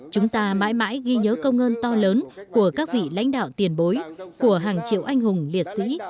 chúng ta mãi mãi ghi nhớ công ơn to lớn của các vị lãnh đạo tiền bối của hàng triệu anh hùng liệt sĩ